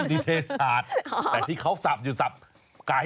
นิเทศศาสตร์แต่ที่เขาสับอยู่สับไก่